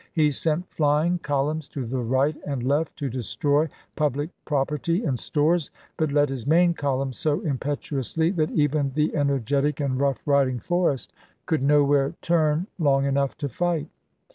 He sent flying columns to the right and left to destroy public property and stores, but led his main column so impetuously that even the energetic and rough riding Forrest could nowhere turn long enough to fight.